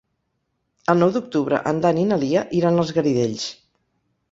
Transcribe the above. El nou d'octubre en Dan i na Lia iran als Garidells.